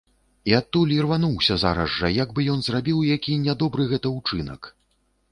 І адтуль ірвануўся зараз жа, як бы ён зрабіў які нядобры гэта ўчынак.